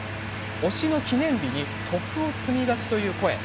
推しの記念日に徳を積みがちという声です。